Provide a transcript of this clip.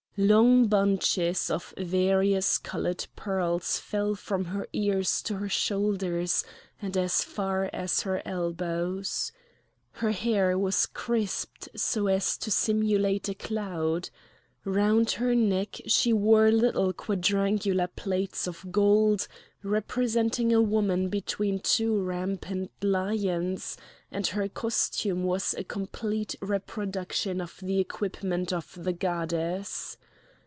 Long bunches of various coloured pearls fell from her ears to her shoulders, and as far as her elbows. Her hair was crisped so as to simulate a cloud. Round her neck she wore little quadrangular plates of gold, representing a woman between two rampant lions; and her costume was a complete reproduction of the equipment of the goddess.